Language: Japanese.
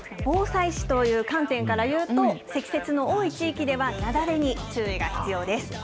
防災士という観点からいうと、積雪の多い地域では雪崩に注意が必要です。